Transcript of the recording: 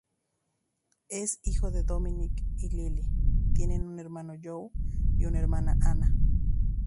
Es hijo de Dominic y Lilly, tiene un hermano Joe y una hermana Anna.